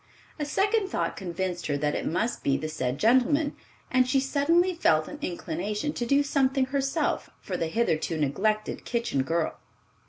A second thought convinced her that it must be the said gentleman, and she suddenly felt an inclination to do something herself for the hitherto neglected kitchen girl.